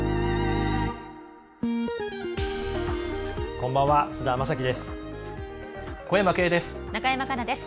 こんばんは、須田正紀です。